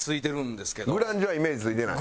「グランジ」はイメージついてない。